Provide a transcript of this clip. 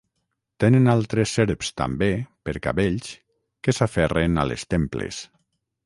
Tenen altres serps també, per cabells, que s'aferren a les temples.